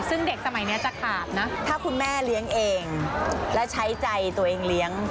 ซึ่งเด็กสมัยนี้จะขาดนะถ้าคุณแม่เลี้ยงเองและใช้ใจตัวเองเลี้ยง